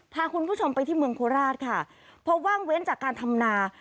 พาคุณผู้ชมไปที่เมืองโคราชค่ะเพราะว่างเว้นจากการทำนา